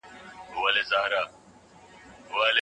د ارغنداب سیند غاړې ته د اوبو کانالونه غزول سوي دي.